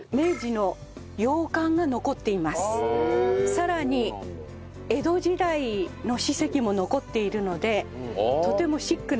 さらに江戸時代の史跡も残っているのでとてもシックな。